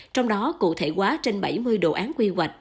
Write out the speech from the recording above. trong đó cụ thể quá trên bảy mươi đồ án quy hoạch